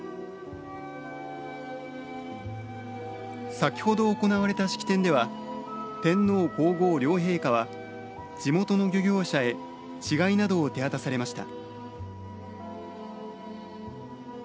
先程行われた式典では天皇皇后両陛下は地元の漁業者へ稚貝などを手渡されました。